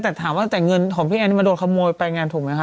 แต่ถามว่าแต่เงินของพี่แอนนี่มันโดนขโมยไปไงถูกไหมคะ